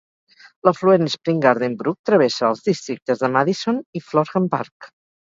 L'afluent Spring Garden Brook travessa els districtes de Madison i Florham Park.